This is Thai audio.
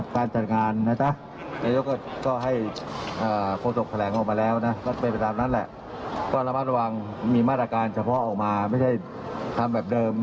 ฟังค่ะครับ